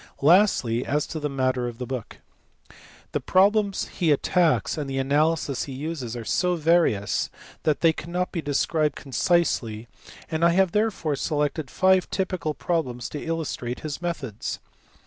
Lastly, as to the matter of the book. The problems he attacks and the analysis he uses are so various that they cannot be described concisely and I have therefore selected five typical problems to illustrate his methods.